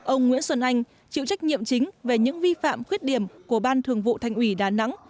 ông nguyễn xuân anh chịu trách nhiệm chính về những vi phạm khuyết điểm của ban thường vụ thành ủy đà nẵng